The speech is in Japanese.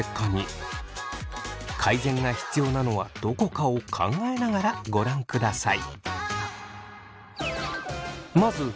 改善が必要なのはどこかを考えながらご覧ください。